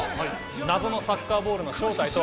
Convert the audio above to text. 謎のサッカーボールの正体とは？